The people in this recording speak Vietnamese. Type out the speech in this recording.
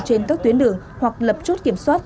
trên các tuyến đường hoặc lập chút kiểm soát